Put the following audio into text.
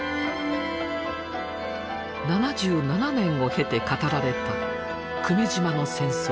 ７７年を経て語られた久米島の戦争。